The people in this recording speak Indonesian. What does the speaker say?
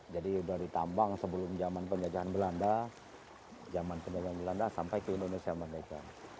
jadi dari tambang sebelum zaman penjajahan belanda zaman penjajahan belanda sampai ke indonesia madaika